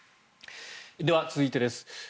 では、続いてです。